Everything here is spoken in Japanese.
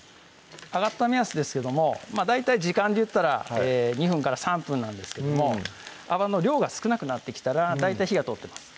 揚がった目安ですけども大体時間でいったら２分から３分なんですけども泡の量が少なくなってきたら大体火が通ってます